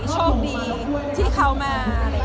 โชคดีที่เขามา